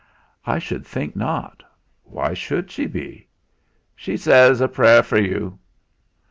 "I should think not. Why should she be?" "She zays a prayer for yu."